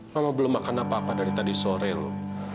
mama belum makan apa apa dari tadi sore loh